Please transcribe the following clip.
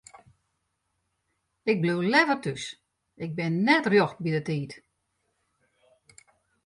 Ik bliuw leaver thús, ik bin net rjocht by de tiid.